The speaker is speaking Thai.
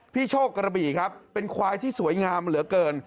โชคกระบี่ครับเป็นควายที่สวยงามเหลือเกิน